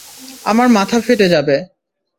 আমার মাথা ফেটে যাবে।